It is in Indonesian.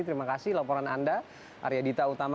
terima kasih laporan anda arya dita utama